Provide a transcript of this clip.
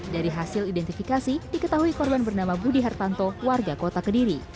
dari hasil identifikasi diketahui korban bernama budi hartanto warga kota kediri